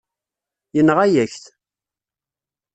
Yenɣa-yak-t.